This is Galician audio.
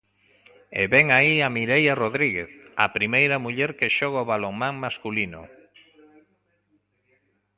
E ven aí a Mireia Rodríguez, a primeira muller que xoga ao balonmán masculino.